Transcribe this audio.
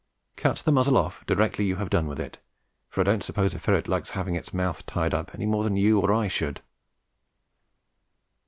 Cut the muzzle off directly you have done with it, for I don't suppose a ferret likes having its mouth tied up any more than you or I should.